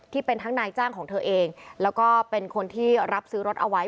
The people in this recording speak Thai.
ที่เป็นทั้งนายจ้างของเธอเองแล้วก็เป็นคนที่รับซื้อรถเอาไว้